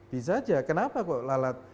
bisa aja kenapa kok lalat